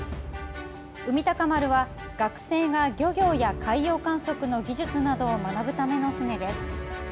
「海鷹丸」は、学生が漁業や海洋観測の技術などを学ぶための船です。